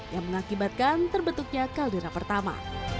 yang mengakibatkan terbentuknya kaldera pertama